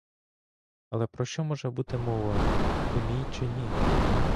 Але про що може бути мова: ти мій чи ні?